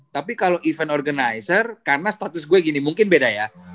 tapi kalau event organizer karena status gue gini mungkin beda ya